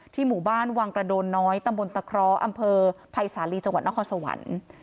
ที่หมู่บ้านวังกระโดนน้อยตำบลตะคร้ออำเภอภายสาลีจนครสวรรค์